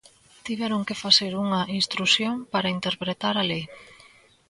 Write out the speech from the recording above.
Tiveron que facer unha instrución para interpretar a lei.